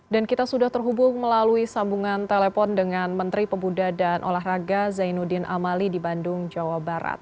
dan kita sudah terhubung melalui sambungan telepon dengan menteri pemuda dan olahraga zainuddin amali di bandung jawa barat